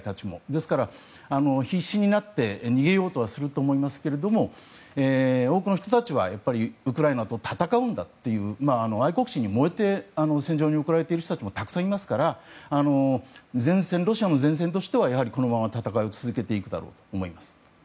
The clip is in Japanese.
ですから、必死になって逃げようとはすると思いますが多くの人たちはウクライナと戦うんだという愛国心に燃えて戦場に送られている人たちもたくさんいますからロシアの前線としてはこのまま戦い続けていくと思います。